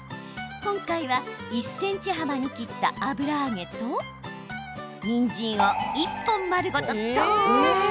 今回は１ｃｍ幅に切った油揚げとにんじんを１本まるごとどーん！